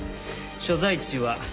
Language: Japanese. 所在地は。